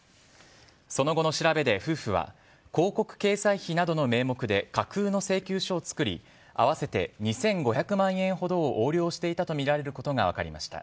その後の調べで夫婦は広告掲載費などの名目で架空の請求書を作り合わせて２５００万円ほどを横領していたとみられることが分かりました。